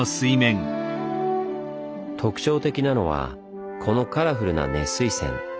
特徴的なのはこのカラフルな熱水泉。